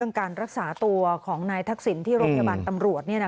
การรักษาตัวของนายทักษิณที่โรงพยาบาลตำรวจ